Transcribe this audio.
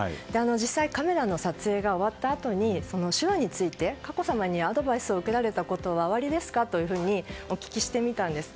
実際カメラの撮影が終わったあとに手話について佳子さまにアドバイスを受けられたことはおありですか？というふうにお聞きしてみたんです。